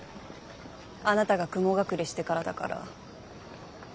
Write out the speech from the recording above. あなたが雲隠れしてからだから。